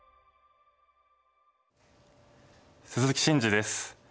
鈴木伸二です。